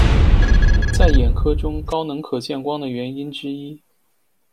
在眼科中，高能可见光的原因之一。